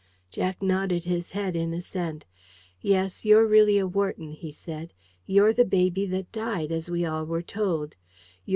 Jack nodded his head in assent. "Yes, you're really a Wharton," he said. "You're the baby that died, as we all were told.